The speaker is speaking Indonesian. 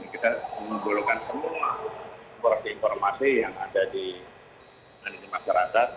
kita membutuhkan semua koreksi informasi yang ada di masyarakat